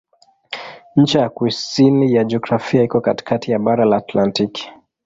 Ncha ya kusini ya kijiografia iko katikati ya bara la Antaktiki.